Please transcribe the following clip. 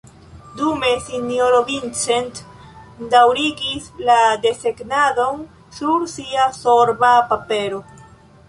Dume sinjoro Vincent daŭrigis la desegnadon sur sia sorba papero.